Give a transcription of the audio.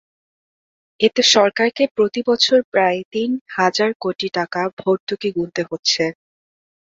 এতে সরকারকে প্রতিবছর প্রায় তিন হাজার কোটি টাকা ভর্তুকি গুনতে হচ্ছে।